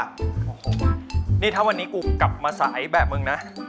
โอ้โหนี่ถ้าวันนี้กูกลับมาสายแบบมึงนะ